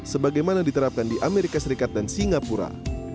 sebagaimana diterapkan di amerika serikat dan singapura